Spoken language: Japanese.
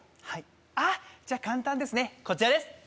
はいあっじゃ簡単ですねこちらです